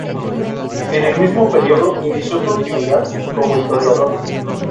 En el mismo periodo inició su actividad como historiador.